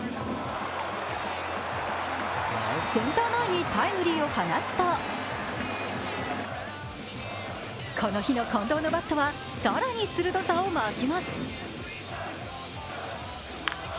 センター前にタイムリーを放つとこの日の近藤のバットは更に鋭さを増します。